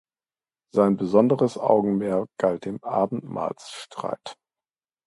Sein besonderes Augenmerk galt dem Abendmahlsstreit.